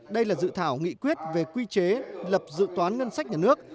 đây là dự thảo nghị quyết về quy chế lập dự toán ngân sách nhà nước